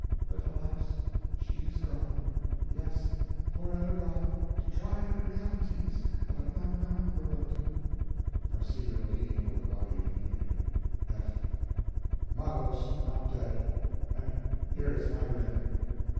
But, alas! she is gone yes, forever gone, to try the realities of an unknown world! (Farcillo leaning over the body of Amelia.) F. Malos not dead, and here is my ring!